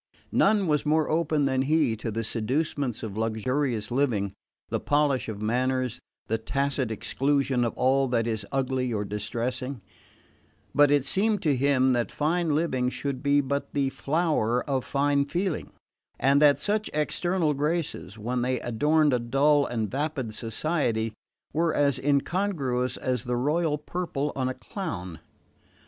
None was more open than he to the seducements of luxurious living, the polish of manners, the tacit exclusion of all that is ugly or distressing; but it seemed to him that fine living should be but the flower of fine feeling, and that such external graces, when they adorned a dull and vapid society, were as incongruous as the royal purple on a clown.